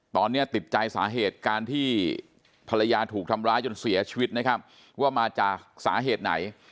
ตอนนี้ติดใจสาเหตุการที่ภรรยาถูกทำร้ายจนเสียชีวิตนะครับว่ามาจากสาเหตุไหน